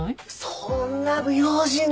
そんな不用心な。